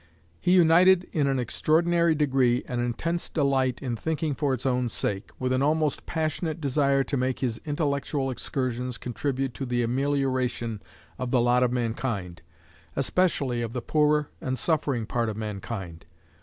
He united in an extraordinary degree an intense delight in thinking for its own sake, with an almost passionate desire to make his intellectual excursions contribute to the amelioration of the lot of mankind, especially of the poorer and suffering part of mankind.